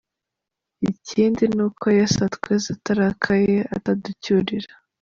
Ikindi ni uko Yesu atweza atarakaye, ataducyurira.